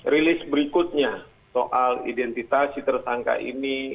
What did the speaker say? release berikutnya soal identitas si tersangka ini